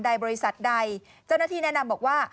บริษัทใดเจ้าหน้าที่แนะนำบอกว่า